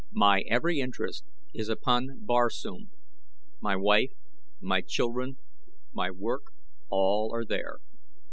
My every interest is upon Barsoom my wife, my children, my work; all are there.